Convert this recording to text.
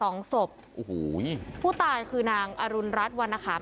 สองศพโอ้โหผู้ตายคือนางอรุณรัฐวันนะครับ